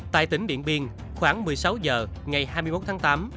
tại tỉnh điện biên khoảng một mươi sáu h ngày hai mươi một tháng tám